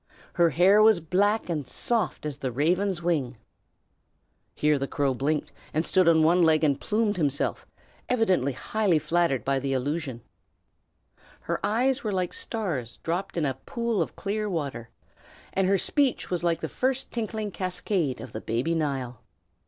Her hair was black and soft as the raven's wing [here the Crow blinked, stood on one leg and plumed himself, evidently highly flattered by the allusion]; her eyes were like stars dropped in a pool of clear water, and her speech like the first tinkling cascade of the baby Nile.